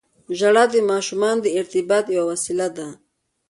• ژړا د ماشومانو د ارتباط یوه وسیله ده.